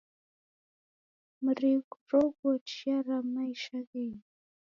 Mrighoruo chia ra maisha ghenyu